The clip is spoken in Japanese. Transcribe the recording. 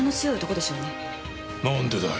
なんでだよ？